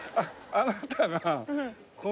あなたが。